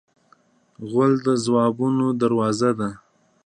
غول د ځوابونو دروازه ده.